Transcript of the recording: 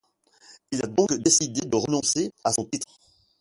Il a donc décidé de renoncer à son titre.